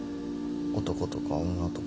男とか女とか。